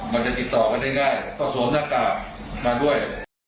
มันจะติดต่อกันได้ง่ายก็สวมหน้ากากมาด้วย